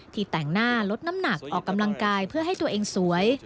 แต่งหน้าลดน้ำหนักออกกำลังกายเพื่อให้ตัวเองสวย